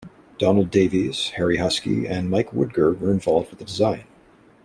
Donald Davies, Harry Huskey and Mike Woodger were involved with the design.